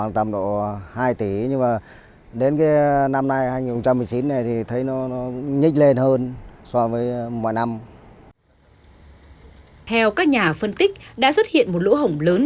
theo các nhà phân tích đã xuất hiện một lỗ hổng lớn